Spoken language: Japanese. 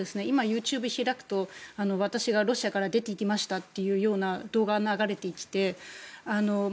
今、ＹｏｕＴｕｂｅを開くと私がロシアから出ていきましたという動画が流れてきて。